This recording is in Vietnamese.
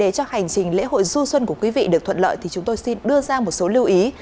chúng tôi xin đưa ra một số lưu ý